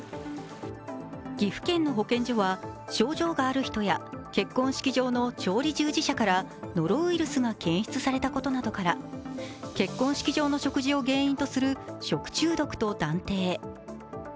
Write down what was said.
岐阜県の保健所は症状がある人や結婚式場の調理従事者からノロウイルスが検出されたことなどから結婚式場の食事を原因とする食中毒と断定。